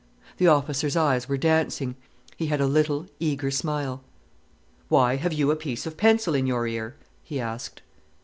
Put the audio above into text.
The officer's eyes were dancing, he had a little, eager smile. "Why have you a piece of pencil in your ear?" he asked.